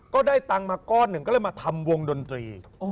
ก็ได้ตังค์มาก้อนหนึ่งก็เลยมาทำวงดนตรี